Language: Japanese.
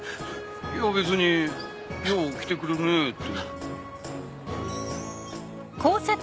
いや別によう来てくれるねって。